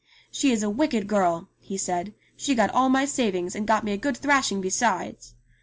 "She is a wicked girl," he said. "She got all my savings, and got me a good thrashing besides."